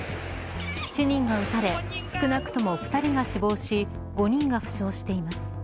７人が撃たれ少なくとも２人が死亡し５人が負傷しています。